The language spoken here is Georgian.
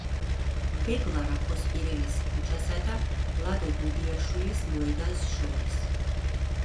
ბეგლარ ახოსპირელის ქუჩასა და ლადო გუდიაშვილის მოედანს შორის.